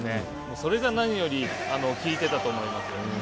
それが何より効いていたと思います。